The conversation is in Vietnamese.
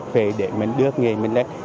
về để mình đưa nghề mình lên